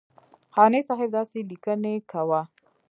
قانع صاحب داسې لیکنې کوه.